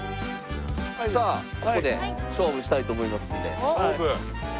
さあここで勝負したいと思いますんで。